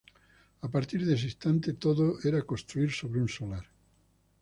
A partir de este instante todo era construir sobre un solar.